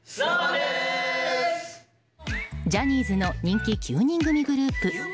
ジャニーズの人気アイドルグループ。